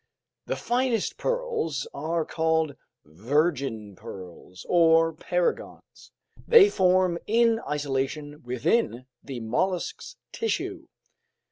The finest pearls are called virgin pearls, or paragons; they form in isolation within the mollusk's tissue.